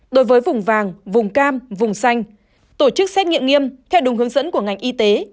đối với vùng vàng vùng cam vùng xanh tổ chức xét nghiệm nghiêm theo đúng hướng dẫn của ngành y tế